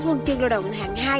huân chương lao động hàng hai